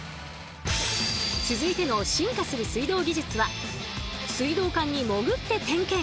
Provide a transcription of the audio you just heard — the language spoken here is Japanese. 続いての進化する水道技術は水道管にもぐって点検！